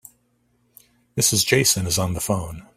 Mrs. Jason is on the phone.